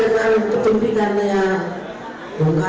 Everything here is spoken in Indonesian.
terkait kasus bantuan likuiditas bank indonesia